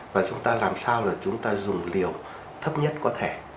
và chúng ta làm sao là chúng ta dùng liều thấp nhất có thể